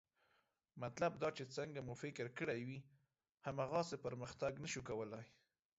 مطلب دا چې څنګه مو چې فکر کړی وي، هماغسې پرمختګ نه شو کولی